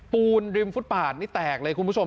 ปูนริมฟุตปาดนี่แตกเลยคุณผู้ชม